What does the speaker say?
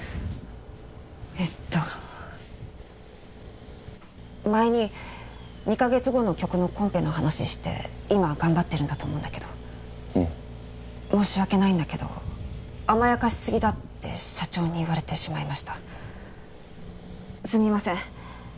えっと前に２カ月後の曲のコンペの話して今頑張ってるんだと思うんだけど申し訳ないんだけど甘やかしすぎだって社長に言われてしまいましたすみません